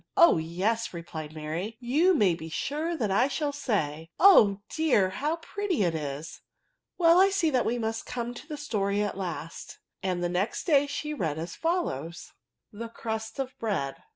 " Oh, yes !" replied Mary ;" you may be sure I shall say, 'Oh dear ! how pretty it is i" " Well, I see that we must come to the story at last ;" and the next day she read as follows:— THE CRUST OP BREAD.